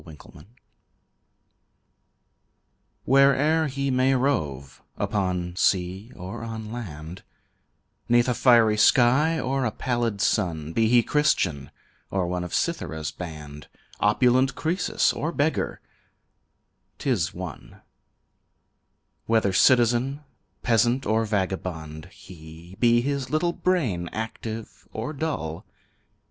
The Lid Where'er he may rove, upon sea or on land, 'Neath a fiery sky or a pallid sun, Be he Christian or one of Cythera's band, Opulent Croesus or beggar 'tis one, Whether citizen, peasant or vagabond he, Be his little brain active or dull.